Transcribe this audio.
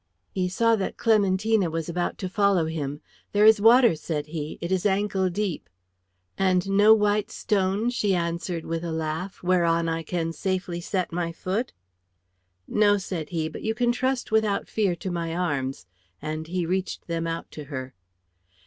He saw that Clementina was about to follow him. "There is water," said he. "It is ankle deep." "And no white stone," she answered with a laugh, "whereon I can safely set my foot?" "No," said he, "but you can trust without fear to my arms;" and he reached them out to her.